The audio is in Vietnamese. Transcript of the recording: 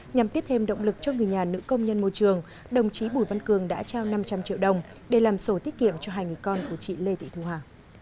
nhằm tiếp thêm động lực cho người nhà nữ công nhân môi trường đồng chí bùi văn cường đã trao năm trăm linh triệu đồng để làm sổ tiết kiệm cho hai người con của chị lê thị thu hà